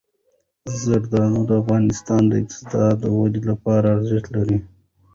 زمرد د افغانستان د اقتصادي ودې لپاره ارزښت لري.